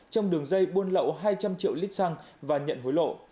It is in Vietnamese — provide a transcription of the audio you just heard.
trong đường dây buôn lậu hai trăm linh triệu lít xăng và nhận hối lộ